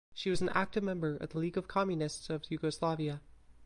She was an active member of the League of Communists of Yugoslavia.